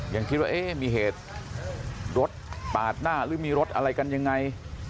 ยังคิดว่าเอ๊ะมีเหตุรถปาดหน้าหรือมีรถอะไรกันยังไง